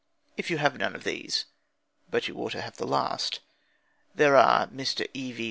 If you have none of these (but you ought to have the last), there are Mr. E.V.